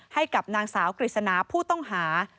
ให้กับนางสาวกฤษณาผู้ต้องหา